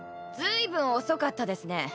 ずいぶん遅かったですね。